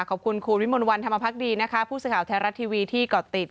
ขอบคุณคุณวิมลวันธรรมพักดีนะคะผู้สื่อข่าวไทยรัฐทีวีที่เกาะติด